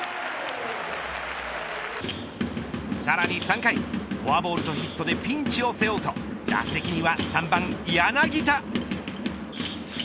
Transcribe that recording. さらに３回フォアボールとヒットでピンチを背負うと打席には３番、柳田。